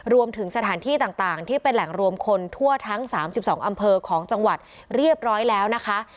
รวมถึงสถานที่ต่างที่เป็นแหล่งรวมคนทั่วทั้ง๓๒อำเภอของจังหวัดเรียบร้อยแล้วนะคะ